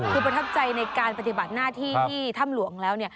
คือประทับใจในการปฏิบัติหน้าที่ที่ถ้ำหลวงแล้ว